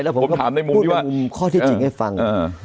แล้วผมก็พูดข้อที่จริงให้ฟัง